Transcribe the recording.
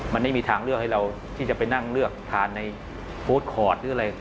มันไม่มีทางเลือกให้เราที่จะไปนั่งเลือกทานในฟู้ดคอร์ดหรืออะไร